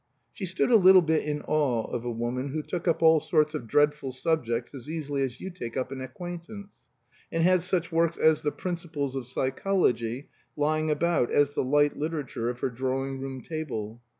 She stood a little bit in awe of a woman who took up all sorts of dreadful subjects as easily as you take up an acquaintance, and had such works as "The Principles of Psychology" lying about as the light literature of her drawing room table.